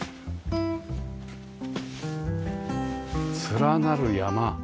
連なる山